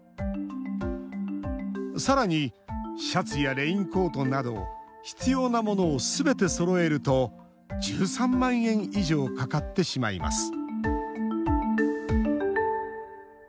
さらにシャツやレインコートなど必要なものをすべてそろえると１３万円以上かかってしまいます